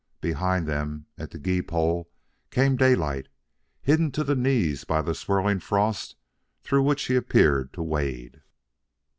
Behind them, at the gee pole, came Daylight, hidden to the knees by the swirling frost through which he appeared to wade.